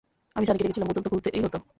আমি সানীকে ডেকেছিলাম, বোতল তো খুলতেই হতো।